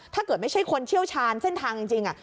ถ้าเกิดไม่ใช่คนเชี่ยวชาญเส้นทางจริง